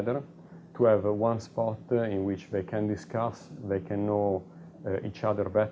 mereka dapat mengenal satu sama lain lebih baik